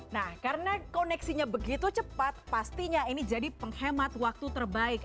nah karena koneksinya begitu cepat pastinya ini jadi penghemat waktu terbaik